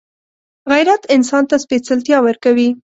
غیرت انسان ته سپېڅلتیا ورکوي